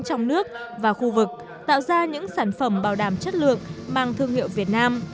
trong nước và khu vực tạo ra những sản phẩm bảo đảm chất lượng mang thương hiệu việt nam